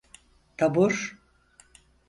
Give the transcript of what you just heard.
Tabur…